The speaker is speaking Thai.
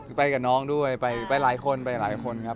ก็ไปกับน้องด้วยไปหลายคนครับ